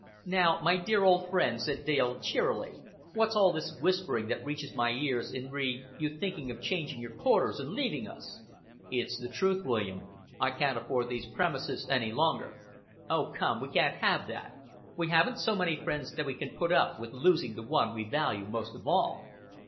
"Now, my dear old friend," said Dale cheerily, "what's all this whispering that reaches my ears in re you thinking of changing your quarters and leaving us?" "It's the truth, William. I can't afford these premises any longer." "Oh, come, we can't have that. We haven't so many friends that we can put up with losing the one we value most of all."